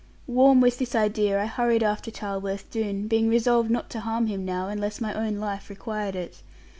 Warm with this idea, I hurried after Charleworth Doone, being resolved not to harm him now, unless my own life required it.